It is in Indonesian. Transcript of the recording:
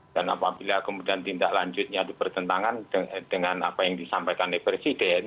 dan apabila kemudian tindak lanjutnya dipertentangan dengan apa yang disampaikan oleh presiden